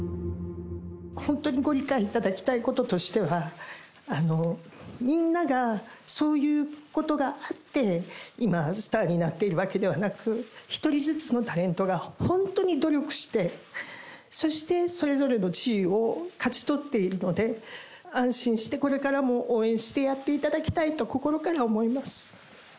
本当にご理解いただきたいこととしては、みんながそういうことがあって、今スターになっているわけではなく、一人ずつのタレントが本当に努力して、そして、それぞれの地位を勝ち取っているので、安心してこれからも応援してやっていただきたいと、心から思います。